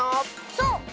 そう。